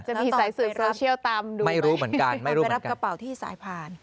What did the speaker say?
จะมีสายสืบโซเชียลตามดูไหมไปรับกระเป๋าที่สายผ่านไม่รู้เหมือนกัน